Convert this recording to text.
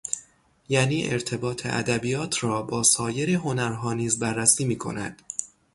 یعنی ارتباط ادبیات را با سایر هنرها نیز بررسی میکند